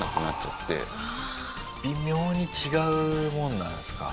微妙に違うものなんですか？